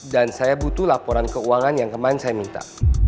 dan saya butuh laporan keuangan yang kemarin saya minta